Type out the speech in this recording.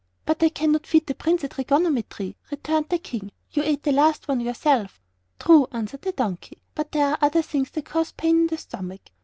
"But I can not feed the Prince a trigonometry," returned the King. "You ate the last one yourself." "True," answered the donkey; "but there are other things that cause pain in the stomach.